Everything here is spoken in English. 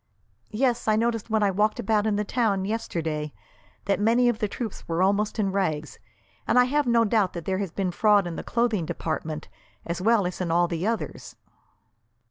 "Yes; I noticed when I walked about in the town, yesterday, that many of the troops were almost in rags, and I have no doubt there has been fraud in the clothing department, as well as in all the others."